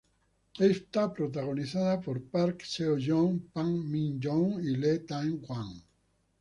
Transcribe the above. Es protagonizada por Park Seo-joon, Park Min-young y Lee Tae-hwan.